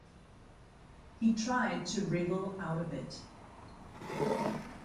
He tried to wriggle out of it.